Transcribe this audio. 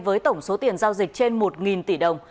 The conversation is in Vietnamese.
với tổng số tiền giao dịch trên một tỷ đồng